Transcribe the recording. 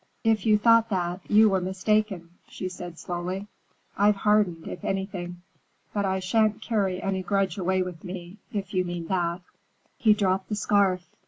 "If you thought that, you were mistaken," she said slowly. "I've hardened, if anything. But I shan't carry any grudge away with me, if you mean that." He dropped the scarf.